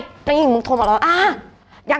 นางหญิงมึงโทรมาแล้วอ่า